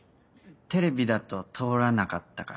テレビだと通らなかったから？